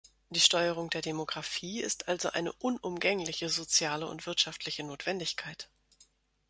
Die Steuerung der Demographie ist also eine unumgängliche soziale und wirtschaftliche Notwendigkeit.